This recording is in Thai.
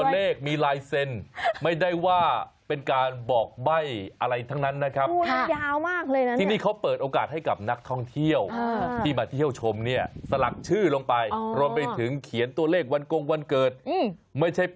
เดี๋ยวมันจะมีได้สามสีเดี๋ยวมันจะมีทงมีทูบอ่ะไปลองฟังเสียงเจ้าของไร่กันดูครับ